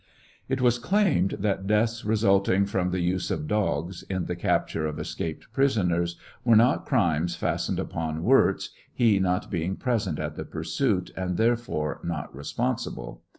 It was claimed that deaths resulting from the use of dogs, in the capture of escaped prisonersi were not crimes fastened upon Wirz, he not being present at the pursuit and therefore not responsible.